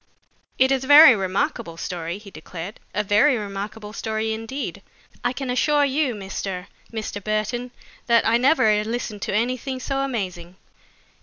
"It is a very remarkable story," he declared, "a very remarkable story indeed. I can assure you, Mr. Mr. Burton, that I never listened to anything so amazing.